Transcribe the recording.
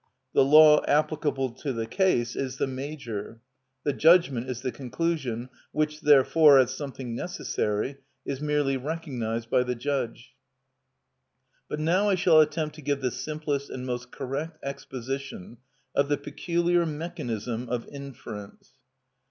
The law applicable to the case is the major. The judgment is the conclusion, which therefore, as something necessary, is "merely recognised" by the judge. But now I shall attempt to give the simplest and most correct exposition of the peculiar mechanism of inference.